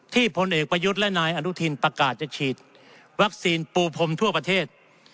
พลเอกประยุทธ์และนายอนุทินประกาศจะฉีดวัคซีนปูพรมทั่วประเทศ